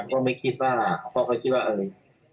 ก็ไม่คิดว่าพ่อเขาคิดว่าอะไร